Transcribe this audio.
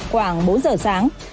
khoảng bốn giờ sáng